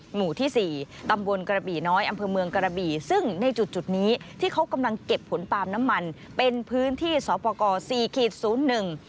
หมู่ที่สี่ตำบลกระบี่น้อยอำเภอเมืองกระบี่ซึ่งในจุดจุดนี้ที่เขากำลังเก็บผลปาล์มน้ำมันเป็นพื้นที่สอปกรสี่ขีดศูนย์หนึ่ง